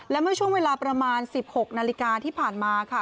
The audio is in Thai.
และเมื่อช่วงเวลาประมาณ๑๖นาฬิกาที่ผ่านมาค่ะ